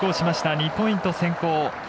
２ポイント先行。